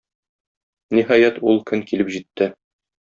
Ниһаять, ул көн килеп җитте.